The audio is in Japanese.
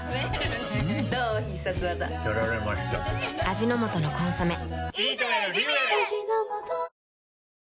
味の素の「コンソメ」